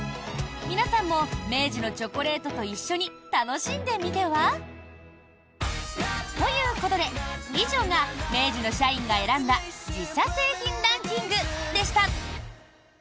皆さんも明治のチョコレートと一緒に楽しんでみては？ということで以上が明治の社員が選んだ自社製品ランキングでした。